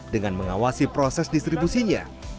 dengan mengawasi proses distribusinya